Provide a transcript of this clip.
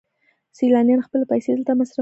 سیلانیان خپلې پیسې دلته مصرفوي.